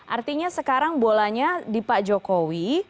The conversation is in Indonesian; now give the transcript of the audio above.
artinya sekarang bolanya di pak jokowi